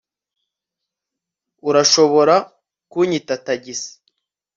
Urashobora kunyita tagisi